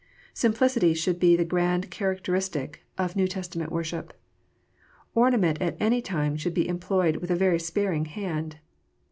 Simplicity should be the grand character istic of New Testament worship. Ornament at any time should be employed with a very sparing hand.